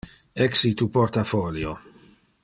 Exi tu portafolio.